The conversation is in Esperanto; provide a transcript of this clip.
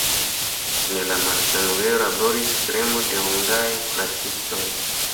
En la malsanulejo laboris kremo de hungaraj kuracistoj.